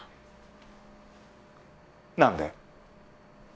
何で？